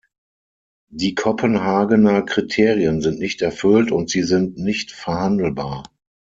Die Kopenhagener Kriterien sind nicht erfüllt, und sie sind nicht verhandelbar.